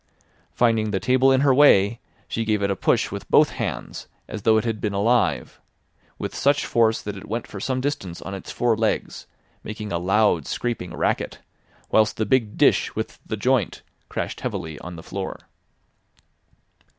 Finding the table in her way she gave it a push with both hands as though it had been alive, with such force that it went for some distance on its four legs, making a loud, scraping racket, whilst the big dish with the joint crashed heavily on the floor.